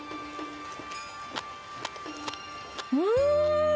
うん！